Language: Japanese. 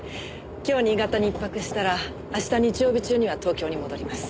今日新潟に１泊したら明日日曜日中には東京に戻ります。